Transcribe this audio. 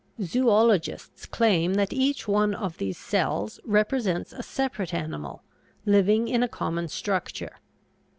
Zoölogists claim that each one of these cells represents a separate animal, living in a common structure.